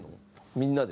みんなで？